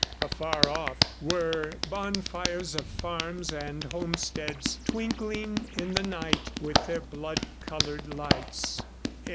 Afar off were bonfires of farms and homesteads, twinkling in the night with their blood colored lights.